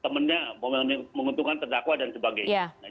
temannya menguntungkan terdakwa dan sebagainya